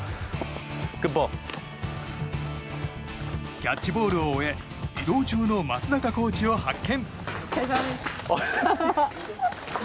キャッチボールを終え移動中の松坂コーチを発見。